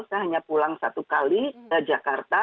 saya hanya pulang satu kali ke jakarta